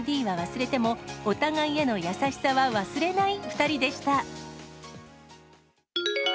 ＩＤは忘れても、お互いへの優しさは忘れない２人でした。